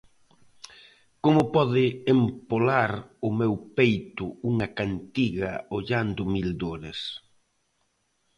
Como pode empolar o meu peito unha cántiga ollando mil dores?